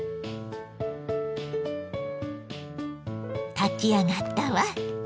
炊き上がったわ。